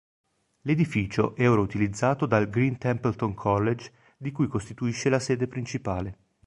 L'edificio è ora utilizzato dal Green Templeton College di cui costituisce la sede principale.